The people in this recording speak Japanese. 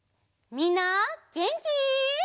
みんなげんき？